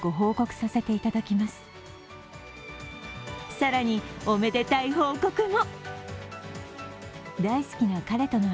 更に、おめでたい報告も。